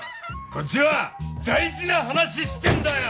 こっちは大事な話してんだよ！